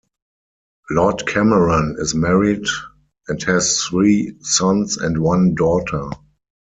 Lord Cameron is married, and has three sons and one daughter.